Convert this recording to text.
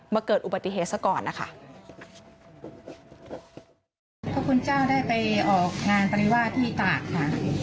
เกิดอุบัติเหตุซะก่อนนะคะพระคุณเจ้าได้ไปออกงานปริวาสที่ตากค่ะ